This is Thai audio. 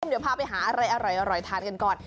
เดี๋ยวพาไปหาอะไรอร่อยทานกันก่อน